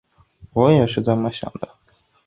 我也是这么想的